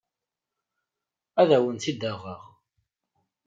Ad awent-tt-id-aɣeɣ.